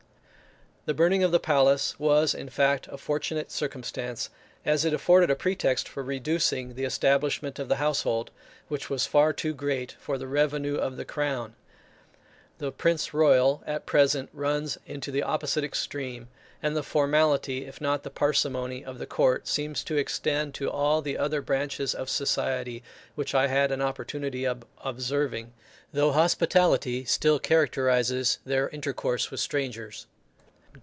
The burning of the palace was, in fact, a fortunate circumstance, as it afforded a pretext for reducing the establishment of the household, which was far too great for the revenue of the Crown. The Prince Royal, at present, runs into the opposite extreme; and the formality, if not the parsimony, of the court, seems to extend to all the other branches of society, which I had an opportunity of observing; though hospitality still characterises their intercourse with strangers.